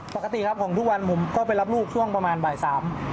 ปกติครับของทุกวันผมก็ไปรับลูกช่วงประมาณบ่ายสาม